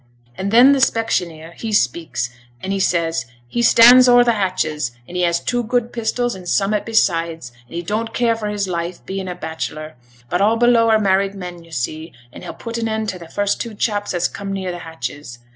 and then t' specksioneer, he speaks, an' he says he stands ower t' hatches, and he has two good pistols, and summut besides, and he don't care for his life, bein' a bachelor, but all below are married men, yo' see, and he'll put an end to t' first two chaps as come near t' hatches.